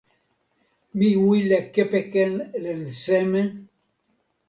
mi wile kepeken len seme?